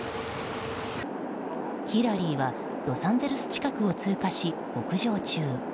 ヒラリーはロサンゼルス近くを通過し北上中。